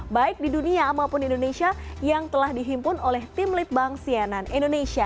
baik di dunia maupun indonesia yang telah dihimpun oleh tim litbang sianan indonesia